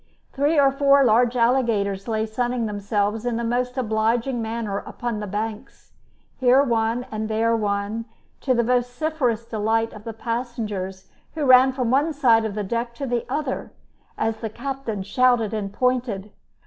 Three or four large alligators lay sunning themselves in the most obliging manner upon the banks, here one and there one, to the vociferous delight of the passengers, who ran from one side of the deck to the other, as the captain shouted and pointed.